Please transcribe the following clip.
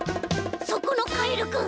そこのカエルくん！